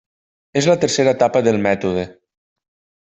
És la tercera etapa del mètode.